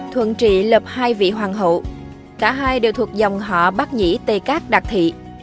thuận trị lập hai vị hoàng hậu cả hai đều thuộc dòng họ bác nhĩ tê cát đặc thị